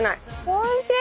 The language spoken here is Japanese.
おいしい！